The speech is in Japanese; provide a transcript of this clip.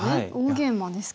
大ゲイマですか。